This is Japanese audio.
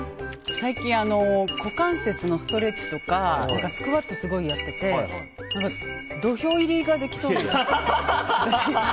最近、股関節のストレッチとかスクワットをすごいやってて土俵入りができそう、私。